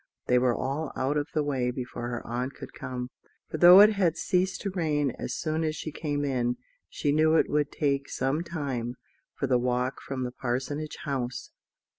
They were all out of the way before her aunt could come; for though it had ceased to rain as soon as she came in, she knew it would take some time for the walk from the Parsonage House.